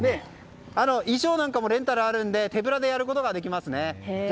衣装もレンタルがあるので手ぶらでやることができます。